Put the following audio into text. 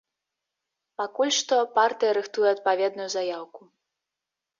Пакуль што партыя рыхтуе адпаведную заяўку.